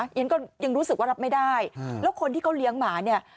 ฉันก็ยังรู้สึกว่ารับไม่ได้แล้วคนที่เขาเลี้ยงหมาเนี่ย